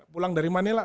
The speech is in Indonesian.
pulang dari manila